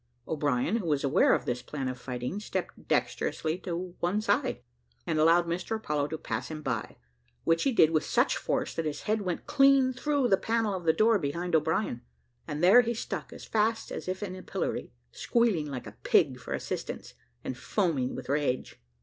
O'Brien, who was aware of this plan of fighting, stepped dexterously on one side, and allowed Mr Apollo to pass by him, which he did with such force, that his head went clean through the panel of the door behind O'Brien, and there he stuck as fast as if in a pillory, squealing like a pig for assistance, and foaming with rage.